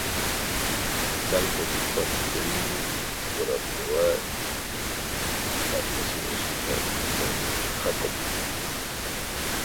Cal, por su parte, termina por aprobar la relación de su hija con Jacob.